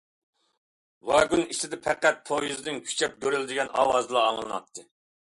ۋاگون ئىچىدە پەقەت پويىزنىڭ كۈچەپ گۈرۈلدىگەن ئاۋازىلا ئاڭلىناتتى.